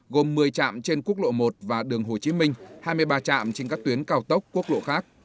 gồm một mươi trạm trên quốc lộ một và đường hồ chí minh hai mươi ba trạm trên các tuyến cao tốc quốc lộ khác